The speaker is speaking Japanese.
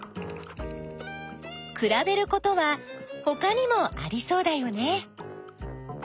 くらべることはほかにもありそうだよね！